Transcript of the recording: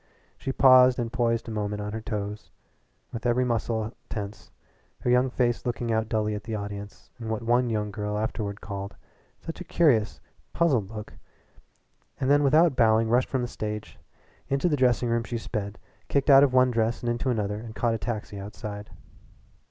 She paused and poised a moment on her toes with every muscle tense, her young face looking out dully at the audience in what one young girl afterward called "such a curious, puzzled look," and then without bowing rushed from the stage. Into the dressing room she sped, kicked out of one dress and into another, and caught a taxi outside.